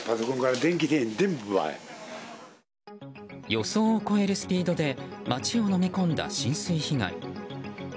予想を超えるスピードで街をのみ込んだ浸水被害。